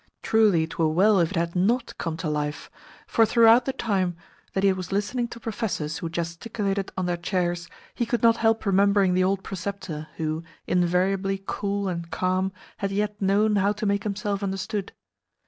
Truly 'twere well if it had NOT come to life, for throughout the time that he was listening to professors who gesticulated on their chairs he could not help remembering the old preceptor who, invariably cool and calm, had yet known how to make himself understood.